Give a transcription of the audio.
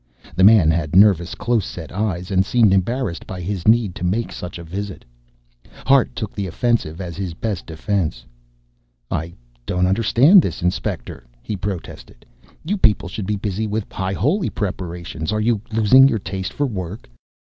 The man had nervous close set eyes and seemed embarrassed by his need to make such a visit. Hart took the offensive as his best defense. "I don't understand this, Inspector," he protested. "You people should be busy with High Holy preparations. Are you losing your taste for work?"